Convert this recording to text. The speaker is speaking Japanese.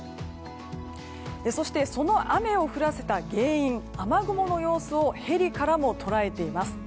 そして、その雨を降らせた原因雨雲の様子をヘリからも捉えています。